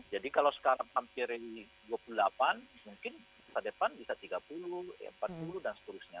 jadi kalau sekarang hampir dua puluh delapan mungkin ke depan bisa tiga puluh empat puluh dan seterusnya